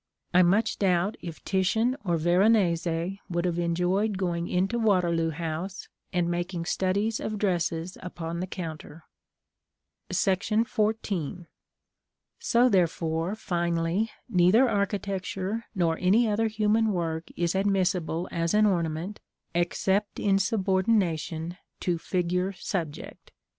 I much doubt if Titian or Veronese would have enjoyed going into Waterloo House, and making studies of dresses upon the counter. § XIV. So, therefore, finally, neither architecture nor any other human work is admissible as an ornament, except in subordination to figure subject.